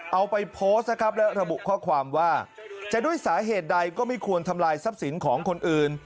เอาไปโพสต์นะครับและระบุข้อความว่าจะด้วยสาเหตุใดก็ไม่ควรทำลายทรัพย์สินของคนอื่น